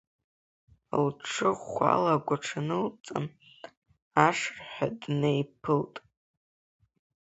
Лҽы ӷәӷәала агәаҽанылҵан, ашырҳәа днеиԥылт.